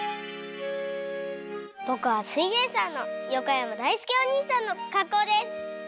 ぼくは「すイエんサー」の横山だいすけおにいさんのかっこうです！